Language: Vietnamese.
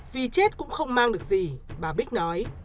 vì chết cũng không mang được gì bà bích nói